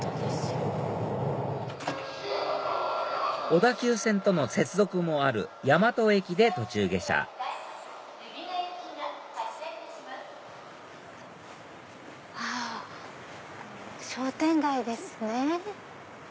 小田急線との接続もある大和駅で途中下車あ商店街ですね。